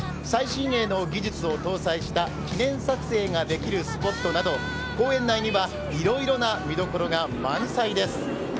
最新鋭の技術を搭載した記念撮影ができるスポットなど公園内にはいろいろな見どころが満載です。